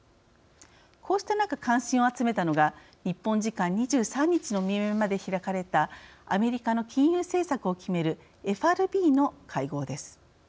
こうした中、関心を集めたのが日本時間２３日の未明まで開かれたアメリカの金融政策を決めるＦＲＢの会合です。